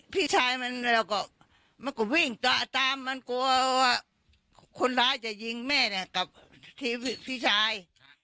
พี่ชายก็วิ่งตามแต่กลัวว่าคนร้ายจะยิงแม่กับพี่ชาย